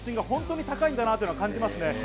本当に高いんだなというの、感じますね。